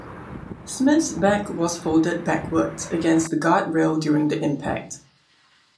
Smith's back was folded backwards against the guard rail during the impact.